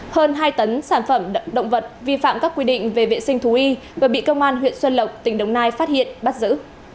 hơn hai tấn sản phẩm động vật vi phạm các quy định về vệ sinh thú y vừa bị công an huyện xuân lộc tỉnh đồng nai phát hiện bắt giữ